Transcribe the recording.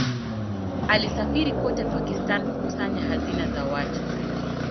Alisafiri kote Pakistan kukusanya hazina za watu.